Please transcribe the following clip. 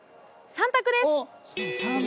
３択です